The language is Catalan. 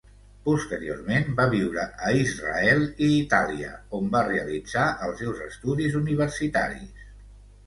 Posteriorment va viure a Israel i Itàlia, on va realitzar els seus estudis universitaris.